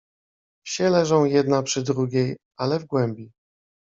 Wsie leżą jedna przy drugiej, ale w głębi.